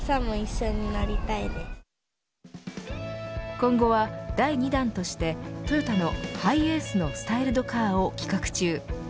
今後は第２弾としてトヨタのハイエースのスタイルドカーを企画中。